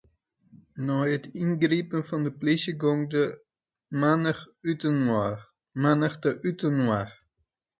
Nei it yngripen fan 'e polysje gong de mannichte útinoar.